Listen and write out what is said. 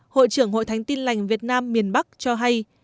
hội trưởng hội thánh tin lành việt nam miền bắc cho hay